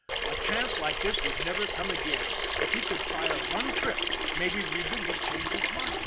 A chance like this would never come again. If he could fire one trip maybe Regan would change his mind.